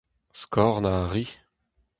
Skornañ a ri.